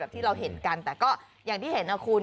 ที่เราเห็นกันแต่ก็อย่างที่เห็นนะคุณ